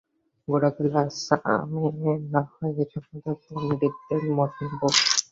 গোরা কহিল, আচ্ছা, আমি নাহয় এ সম্বন্ধে পণ্ডিতদের মত নেব।